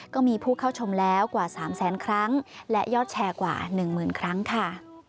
ก็มีผู้เข้าชมแล้วกว่า๓แสนครั้งและยอดแชร์กว่า๑หมื่นครั้งค่ะ